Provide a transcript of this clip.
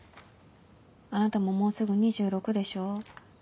あなたももうすぐ２６でしょ？